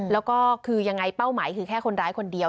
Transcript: แล้วก็คือยังไงเป้าหมายคือแค่คนร้ายคนเดียว